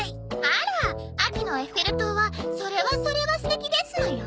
あら秋のエッフェル塔はそれはそれは素敵ですのよ。